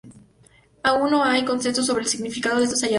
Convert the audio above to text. Aún no hay consenso sobre el significado de esos hallazgos.